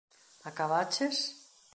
¿Acabaches?